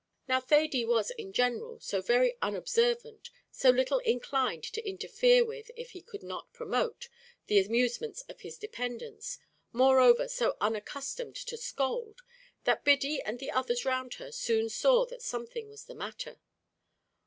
Now Thady was in general so very unobservant so little inclined to interfere with, if he could not promote, the amusements of his dependants moreover, so unaccustomed to scold that Biddy and the others round her soon saw that something was the matter.